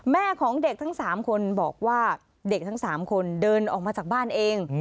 แม่ของเด็กทั้ง๓คนบอกว่าเด็กทั้ง๓คนเดินออกมาจากบ้านเอง